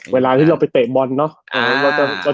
เวลาที่เราไปเตะบอลเนาะ